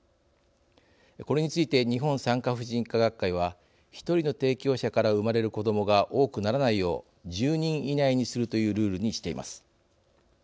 これについて日本産科婦人科学会は１人の提供者から生まれる子どもが多くならないよう１０人以内にするというルールにしています。